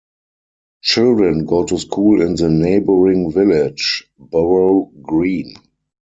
Children go to school in the neighbouring village, Burrough Green.